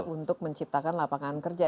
untuk menciptakan lapangan kerja